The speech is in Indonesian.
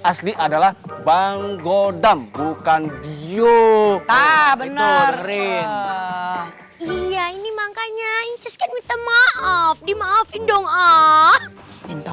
asli adalah bang godam bukan dio bener bener ini makanya ingin minta maaf dimaafin dong ah minta